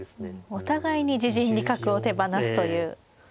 お互いに自陣に角を手放すという展開ですね。